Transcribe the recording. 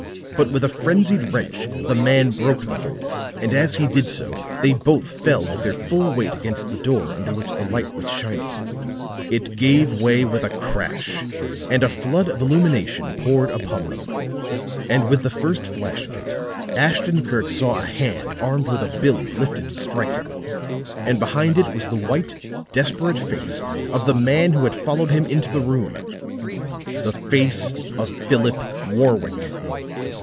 But with a frenzied wrench the man broke the hold, and as he did so they both fell with their full weight against the door under which the light was shining. It gave way with a crash, and a flood of illumination poured upon them. And with the first flash of it, Ashton Kirk saw a hand armed with a "billy" lifted to strike him; and behind it was the white, desperate face of the man who had followed him into the room the face of Philip Warwick.